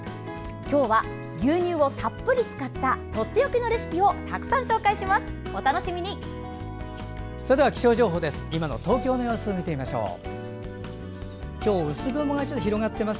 今日は牛乳をたっぷり使ったとっておきのレシピをたくさん紹介します。